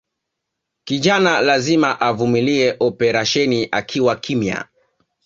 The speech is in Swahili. Kijana lazima avumilie operasheni akiwa kimya